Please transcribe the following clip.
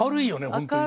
本当にね。